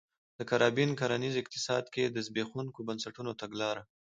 د کارابین کرنیز اقتصاد کې د زبېښونکو بنسټونو تګلاره